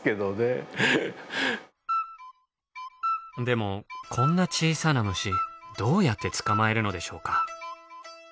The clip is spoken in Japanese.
でもこんな小さな虫どうやって捕まえるのでしょうか？